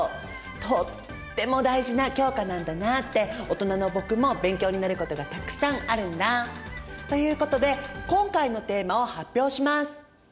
とっても大事な教科なんだなって大人の僕も勉強になることがたくさんあるんだ！ということで今回のテーマを発表します！